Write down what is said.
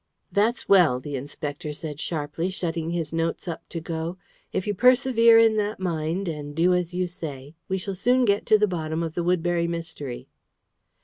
"That's well," the Inspector said sharply, shutting his notes up to go. "If you persevere in that mind, and do as you say, we shall soon get to the bottom of the Woodbury Mystery!"